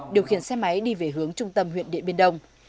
điều khiển xe máy đi về hướng trung tâm huyện điện biên đông